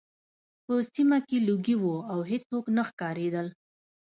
په سیمه کې لوګي وو او هېڅوک نه ښکارېدل